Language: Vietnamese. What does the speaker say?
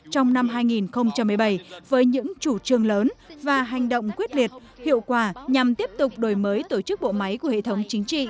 trong năm hai nghìn một mươi bảy với những chủ trương lớn và hành động quyết liệt hiệu quả nhằm tiếp tục đổi mới tổ chức bộ máy của hệ thống chính trị